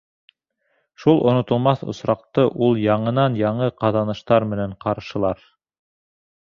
Шул онотолмаҫ осраҡты ул яңынан-яңы ҡаҙаныштар менән ҡаршылар.